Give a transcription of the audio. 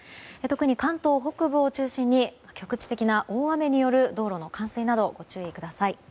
特に関東北部を中心に局地的な大雨による道路の冠水などにご注意ください。